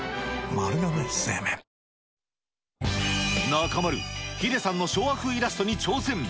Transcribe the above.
中丸、ヒデさんの昭和風イラストに挑戦。